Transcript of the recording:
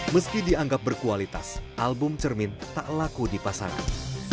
meski dianggap berkualitas album cermin tak laku di pasangan